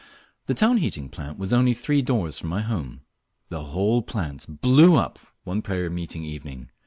The town heating plant was only three doors from my home. The whole plant blew up one prayer meeting evening.